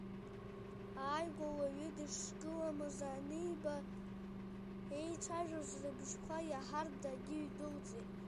Ааигәа уаҩы дышгыламыз аниба, еицәажәоз рбжьқәа иаҳартә дагьыҩдәылҵит.